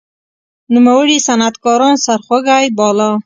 نوموړي صنعتکاران سرخوږی باله.